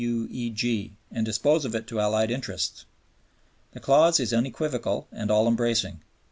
U.E.G.), and dispose of it to Allied interests. The clause is unequivocal and all embracing.